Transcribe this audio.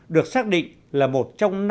được xác định là một trong